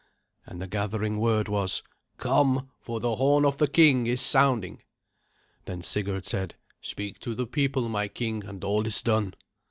And the gathering word was, "Come, for the horn of the king is sounding." Then Sigurd said, "Speak to the people, my king, and all is done."